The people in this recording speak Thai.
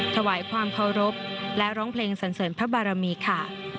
ถวายความเคารพและร้องเพลงสันเสริญพระบารมีค่ะ